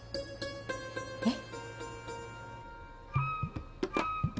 えっ？